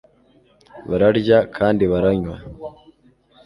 bararya kandi baranywa